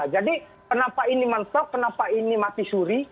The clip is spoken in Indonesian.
jadi kenapa ini mantap kenapa ini mati suri